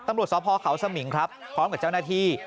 ตำรวจสพเขาสมิงครับพร้อมกับเจ้าหน้าที่